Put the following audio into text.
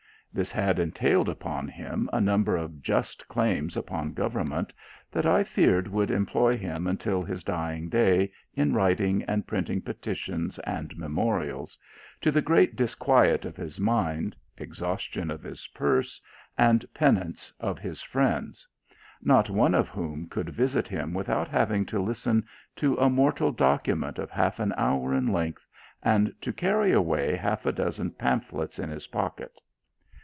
This has entailed upon him a number of just claims upon government that I fear will employ him until his dying day in writing and printing petitions and memorials, to the great disquiet of his mind, ex haustion of his purse, and penance of his friends; not one of whom can visit him without having to listen to a mortal document of half an hour iu THE VETERAN 241 length, and to carry avvny Haifa dozen pamphlets in his pocket.